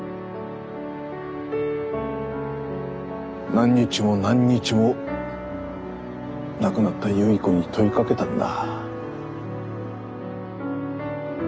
何日も何日も亡くなった有依子に問いかけたんだ。